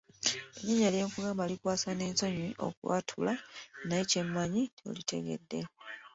Erinnya lyenkugamba likwasa n'ensonyi okwatula naye kye mmanyi nti olitegedde.